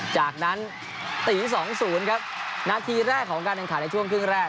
จากนั้นตี๒๐ครับนาทีแรกของการแข่งขันในช่วงครึ่งแรก